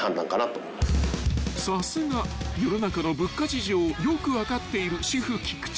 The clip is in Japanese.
［さすが世の中の物価事情をよく分かっている主婦菊地］